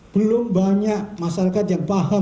belum banyak masyarakat yang paham